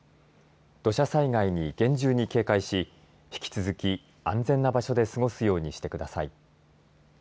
土砂災害に厳重に警戒し引き続き、安全な場所で過ごすようにしてください。